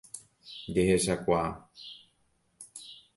Jehechakuaa.